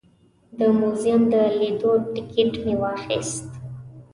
د موزیم د لیدو ټکټ مې واخیست.